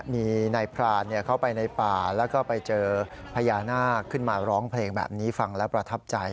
มีนายพรานเข้าไปในป่าแล้วก็ไปเจอพญานาคขึ้นมาร้องเพลงแบบนี้ฟังแล้วประทับใจ